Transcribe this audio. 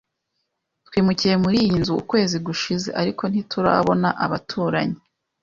Twimukiye muri iyi nzu ukwezi gushize, ariko ntiturabona abaturanyi.